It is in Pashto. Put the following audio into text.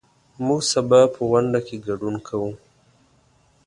موږ سبا په غونډه کې ګډون کوو.